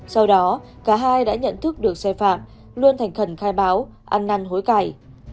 sau đó cả hai đã nhận thức được sai phạm luôn thành khẩn khai báo ăn năn hối cải